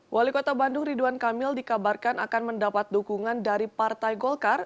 wali kota bandung ridwan kamil dikabarkan akan mendapat dukungan dari partai golkar